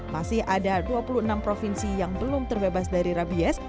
masih ada dua puluh enam provinsi yang belum terbebas dari rabies